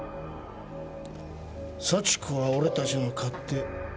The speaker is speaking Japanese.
幸子は俺たちの勝手。